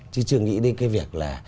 chứ chưa nghĩ đến cái việc là